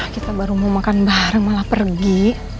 kita baru mau makan bareng malah pergi